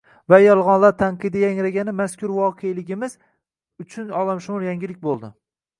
va yolg‘onlar tanqidi yangragani mazkur voqeligimiz uchun olamshumul yangilik bo‘ldi